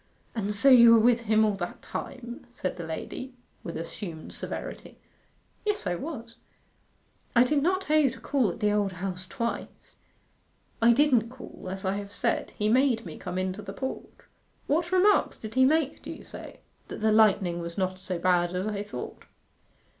'And so you were with him all that time?' said the lady, with assumed severity. 'Yes, I was.' 'I did not tell you to call at the Old House twice.' 'I didn't call, as I have said. He made me come into the porch.' 'What remarks did he make, do you say?' 'That the lightning was not so bad as I thought.